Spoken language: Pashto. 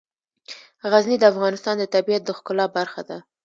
غزني د افغانستان د طبیعت د ښکلا برخه ده.